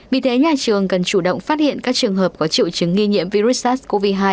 vì thế nhà trường cần chủ động phát hiện các trường hợp có triệu chứng nghi nhiễm virus sars cov hai